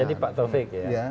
jadi pak taufik ya